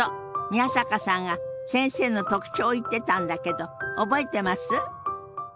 宮坂さんが先生の特徴を言ってたんだけど覚えてます？